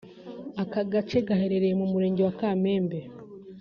Aka gace gaherereye mu murenge wa Kamembe